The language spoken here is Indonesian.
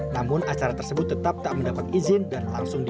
namun acara tersebut tetap tak mendapatkan